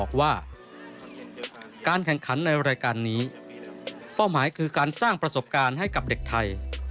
การแข่งขันในรายการนี้เป้าหมายคือการสร้างประสบการณ์ให้กับเด็กไทย